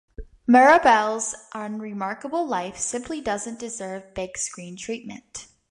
Mirabelle's unremarkable life simply doesn't deserve big screen treatment.